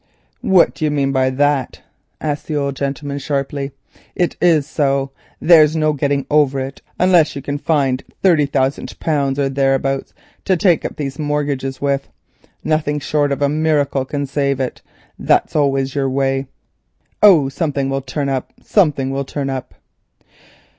"What do you mean by that?" asked the old gentleman sharply. "It is so, there's no getting over it unless you can find thirty thousand pounds or thereabouts, to take up these mortgages with. Nothing short of a miracle can save it. That's always your way. 'Oh, something will turn up, something will turn up.